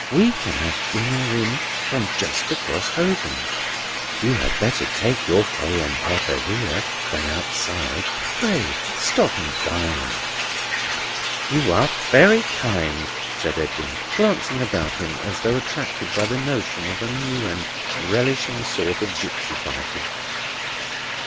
We can have dinner in from just across Holborn. You had better take your Cayenne pepper here than outside; pray stop and dine." "You are very kind," said Edwin, glancing about him as though attracted by the notion of a new and relishing sort of gipsy party.